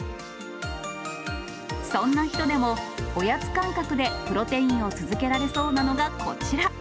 そんな人でもおやつ感覚でプロテインを続けられそうなのがこちら。